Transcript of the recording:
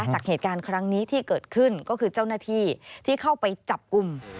จากเหตุการณ์ครั้งนี้ที่เกิดขึ้นก็คือเจ้าหน้าที่ที่เข้าไปจับกลุ่ม